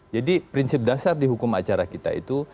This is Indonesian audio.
jadi prinsip dasar di hukum acara kita itu